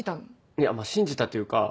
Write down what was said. いやまぁ信じたというか。